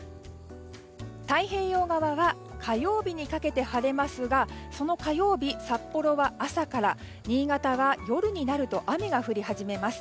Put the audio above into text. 太平洋側は火曜日にかけて晴れますがその火曜日、札幌は朝から新潟は夜になると雨が降り始めます。